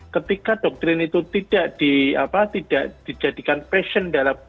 ketika doktrin itu tidak dijadikan passion